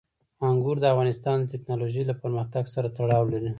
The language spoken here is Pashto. انګور د افغانستان د تکنالوژۍ له پرمختګ سره تړاو لري.